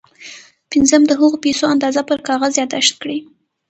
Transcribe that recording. پنځم د هغو پيسو اندازه پر کاغذ ياداښت کړئ.